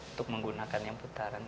untuk menggunakan yang putaran